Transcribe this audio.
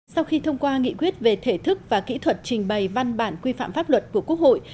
sau khi thông qua nghị quyết về thể thức và kỹ thuật trình bày văn bản quy phạm pháp luật của quốc hội